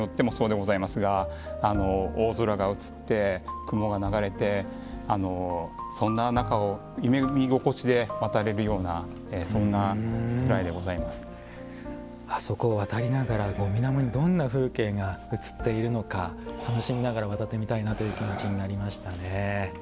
もちろん季節によってもそうでございますが大空が映って雲が流れてそんな中を夢見心地で渡れるようなあそこを渡りながらみなもにどんな風景が映っているのか楽しみながら渡ってみたいなという気持ちになりましたね。